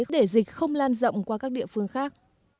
để dịch không lan rộng qua các địa phương khác